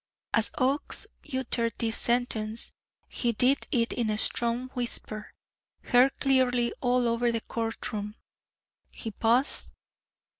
'" As Oakes uttered this sentence, he did it in a strong whisper heard clearly all over the court room. He paused.